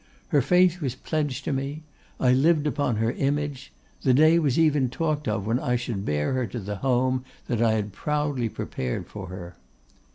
'Her faith was pledged to me; I lived upon her image; the day was even talked of when I should bear her to the home that I had proudly prepared for her.